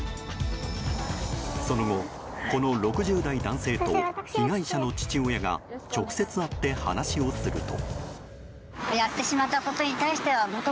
その後、この６０代男性と被害者の父親が直接会って話をすると。